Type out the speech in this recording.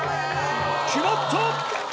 決まった！